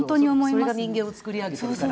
それが人間を作り上げているから。